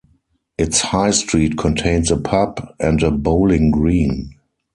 Its high street contains a pub, and a bowling green.